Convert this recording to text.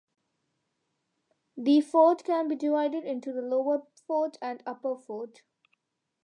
The fort can be divided into the lower fort and upper fort.